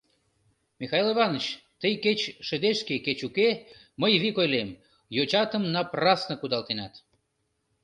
— Михаил Иваныч, тый кеч шыдешке, кеч уке, мый вик ойлем: йочатым напрасно кудалтенат.